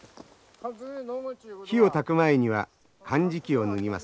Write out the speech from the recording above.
火をたく前にはかんじきを脱ぎます。